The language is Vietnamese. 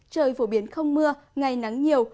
trời phổ biến không mưa ngày nắng nhiều